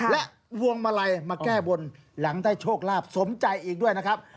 และพวงมาลัยมาแก้บนหลังได้โชคลาภสมใจอีกด้วยนะครับ